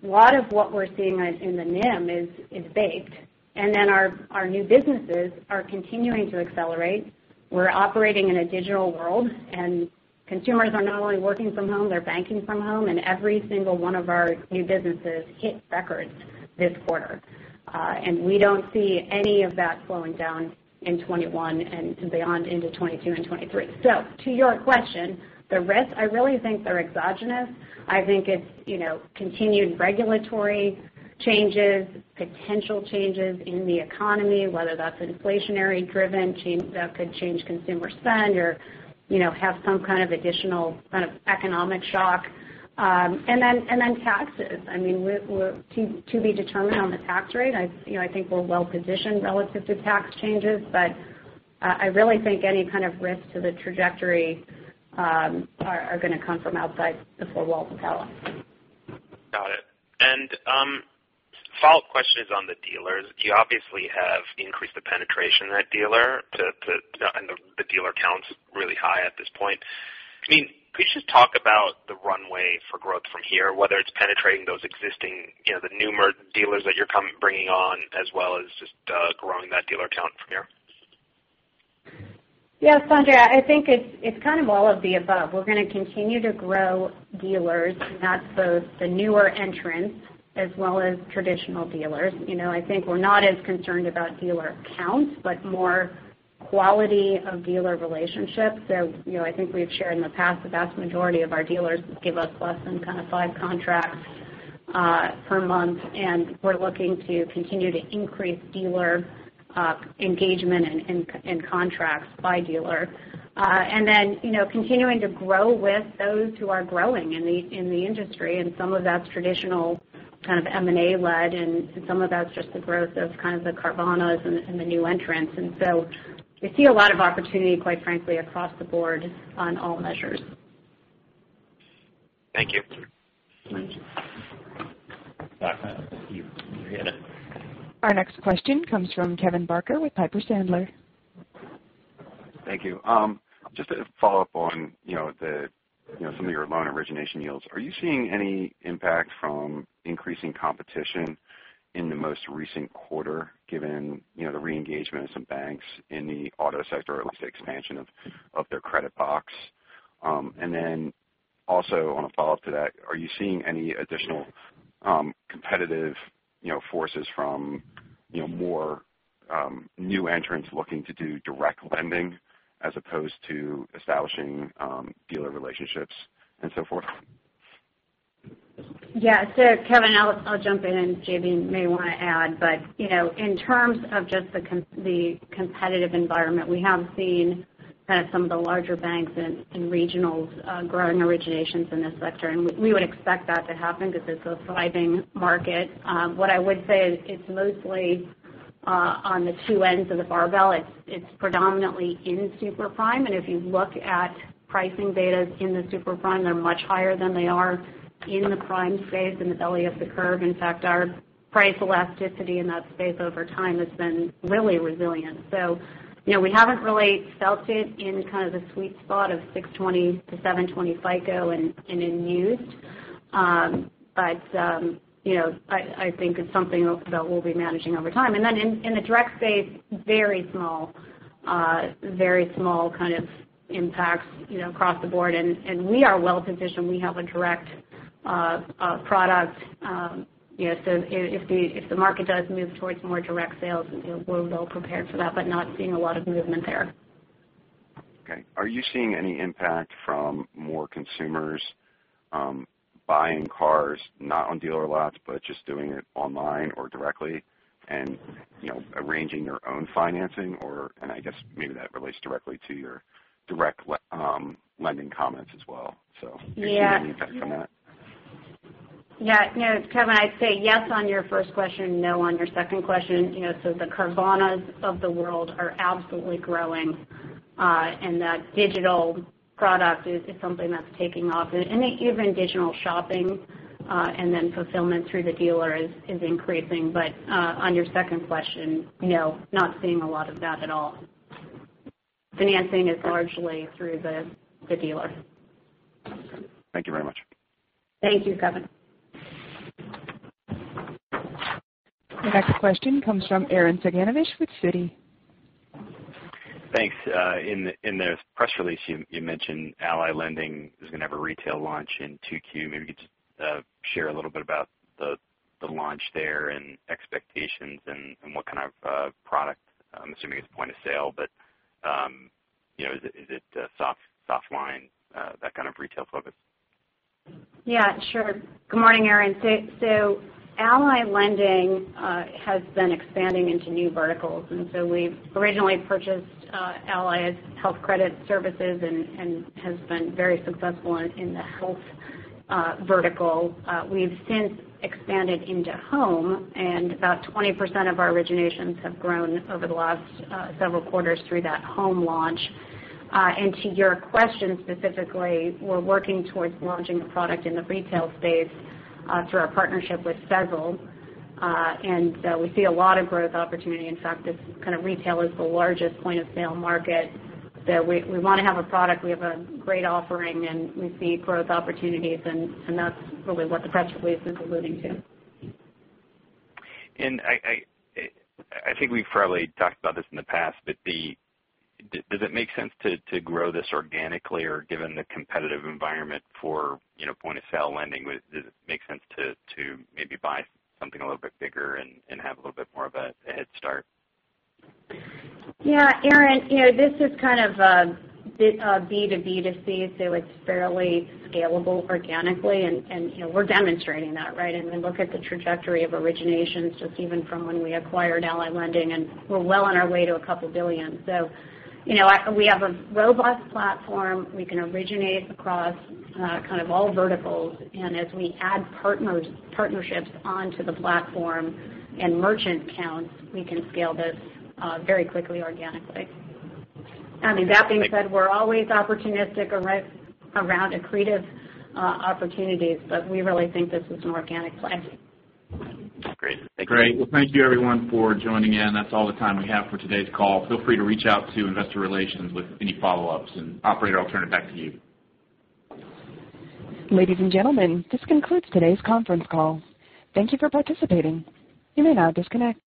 A lot of what we're seeing in the NIM is baked. Our new businesses are continuing to accelerate. We're operating in a digital world, and consumers are not only working from home, they're banking from home. Every single one of our new businesses hit records this quarter. We don't see any of that slowing down in 2021 and beyond into 2022 and 2023. To your question, the risks, I really think they're exogenous. I think it's continued regulatory changes, potential changes in the economy, whether that's inflationary driven that could change consumer spend or have some kind of additional kind of economic shock. Taxes. To be determined on the tax rate. I think we're well positioned relative to tax changes, but I really think any kind of risk to the trajectory are going to come from outside the four walls of Ally. Got it. Follow-up question is on the dealers. You obviously have increased the penetration at the dealer, and the dealer count is really high at this point. Could you just talk about the runway for growth from here, whether it's penetrating those existing, the newer dealers that you're bringing on as well as just growing that dealer count from here? Yeah, Sanjay, I think it's kind of all of the above. We're going to continue to grow dealers, and that's both the newer entrants as well as traditional dealers. I think we're not as concerned about dealer counts, but more quality of dealer relationships. I think we've shared in the past, the vast majority of our dealers give us less than kind of five contracts per month, and we're looking to continue to increase dealer engagement and contracts by dealer. Continuing to grow with those who are growing in the industry, and some of that's traditional kind of M&A-led, and some of that's just the growth of kind of the Carvanas and the new entrants. We see a lot of opportunity, quite frankly, across the board on all measures. Thank you. Thank you. Our next question comes from Kevin Barker with Piper Sandler. Thank you. Just a follow-up on some of your loan origination yields. Are you seeing any impact from increasing competition in the most recent quarter, given the re-engagement of some banks in the auto sector, at least the expansion of their credit box? Also, on a follow-up to that, are you seeing any additional competitive forces from more new entrants looking to do direct lending as opposed to establishing dealer relationships and so forth? Yeah. Kevin, I'll jump in and JB may want to add, but in terms of just the competitive environment, we have seen kind of some of the larger banks and regionals growing originations in this sector. We would expect that to happen because it's a thriving market. What I would say is it's mostly on the two ends of the barbell. It's predominantly in super prime. If you look at pricing betas in the super prime, they're much higher than they are in the prime space in the belly of the curve. In fact, our price elasticity in that space over time has been really resilient. We haven't really felt it in kind of the sweet spot of 620-720 FICO and in used. I think it's something that we'll be managing over time. In the direct space, very small kind of impacts across the board. We are well-positioned. We have a direct product. If the market does move towards more direct sales, we're well prepared for that, but not seeing a lot of movement there. Okay. Are you seeing any impact from more consumers buying cars, not on dealer lots, but just doing it online or directly and arranging their own financing, or, and I guess maybe that relates directly to your direct lending comments as well? Yeah Do you see any impact from that? Yeah. Kevin, I'd say yes on your first question, no on your second question. The Carvanas of the world are absolutely growing, and that digital product is something that's taking off. Even digital shopping, and then fulfillment through the dealer is increasing. On your second question, no, not seeing a lot of that at all. Financing is largely through the dealer. Thank you very much. Thank you, Kevin. Your next question comes from Arren Cyganovich with Citi. Thanks. In the press release, you mentioned Ally Lending is going to have a retail launch in 2Q. Maybe you could just share a little bit about the launch there and expectations and what kind of product. I'm assuming it's point-of-sale, but is it softlines, that kind of retail focus? Yeah. Sure. Good morning, Arren. Ally Lending has been expanding into new verticals. We've originally purchased Ally Health Credit Services and has been very successful in the health vertical. We've since expanded into home, and about 20% of our originations have grown over the last several quarters through that home launch. To your question specifically, we're working towards launching a product in the retail space, through our partnership with Sezzle. We see a lot of growth opportunity. In fact, this kind of retail is the largest point-of-sale market, that we want to have a product. We have a great offering, and we see growth opportunities, and that's really what the press release is alluding to. I think we've probably talked about this in the past, but does it make sense to grow this organically or given the competitive environment for point-of-sale lending, does it make sense to maybe buy something a little bit bigger and have a little bit more of a head start? Yeah, Arren, this is kind of a B2B2C, so it's fairly scalable organically. We're demonstrating that, right? I mean, look at the trajectory of originations, just even from when we acquired Ally Lending, we're well on our way to a couple billion. We have a robust platform. We can originate across kind of all verticals. As we add partnerships onto the platform and merchant counts, we can scale this very quickly organically. I mean, that being said, we're always opportunistic around accretive opportunities, but we really think this is an organic play. Great. Thank you. Great. Well, thank you everyone for joining in. That's all the time we have for today's call. Feel free to reach out to investor relations with any follow-ups. Operator, I'll turn it back to you. Ladies and gentlemen, this concludes today's conference call. Thank you for participating. You may now disconnect.